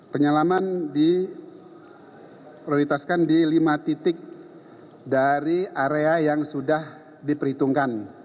penyelaman diprioritaskan di lima titik dari area yang sudah diperhitungkan